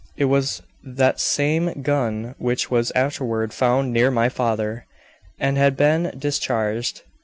It was that same gun which was afterward found near my father, and had been discharged."